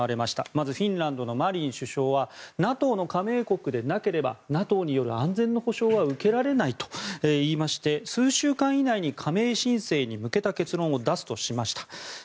まずフィンランドのマリン首相はＮＡＴＯの加盟国でなければＮＡＴＯによる安全の保証は受けられないと言いまして数週間以内に加盟申請に向けた結論を出すとしました。